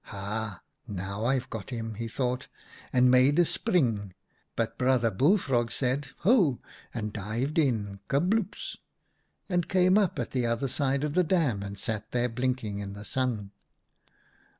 "' Ha ! now I've got him,' he thought, and n6 OUTA KAREL'S STORIES made a spring, but Brother Bullfrog said, 'Ho!' and dived in — kabloops !— and came up at the other side of the dam, and sat there blinking in the sun.